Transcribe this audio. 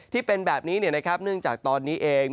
ที่เป็นแบบนี้เนี่ยนะครับเนื่องจากตอนนี้เอง